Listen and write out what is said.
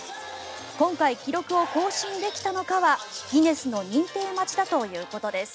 今回、記録を更新できたのかはギネスの認定待ちだということです。